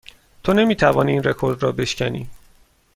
تو نمی توانی این رکورد را بشکنی.